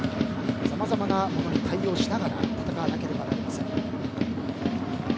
さまざまなものに対応しながら戦わなければいけません。